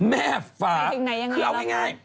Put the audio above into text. แม่ฝากคือเอาง่าย